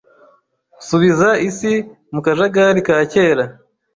Subiza isi mu kajagari ka kera